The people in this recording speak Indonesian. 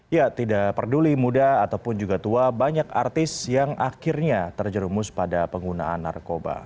ya tidak peduli muda ataupun juga tua banyak artis yang akhirnya terjerumus pada penggunaan narkoba